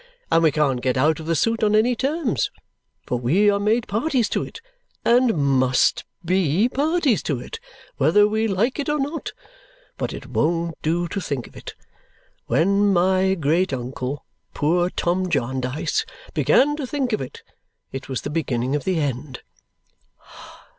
And we can't get out of the suit on any terms, for we are made parties to it, and MUST BE parties to it, whether we like it or not. But it won't do to think of it! When my great uncle, poor Tom Jarndyce, began to think of it, it was the beginning of the end!"